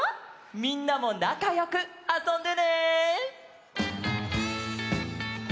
みんなもなかよくあそんでね！